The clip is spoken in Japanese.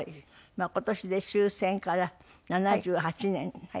まあ今年で終戦から７８年。